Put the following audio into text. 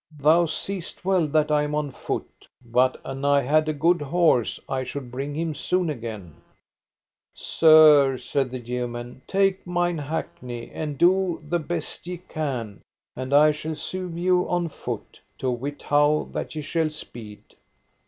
Thou seest well that I am on foot, but an I had a good horse I should bring him soon again. Sir, said the yeoman, take mine hackney and do the best ye can, and I shall sewe you on foot to wit how that ye shall speed.